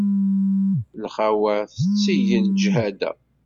Lxawa tettegg leǧhada.